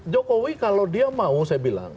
jokowi kalau dia mau saya bilang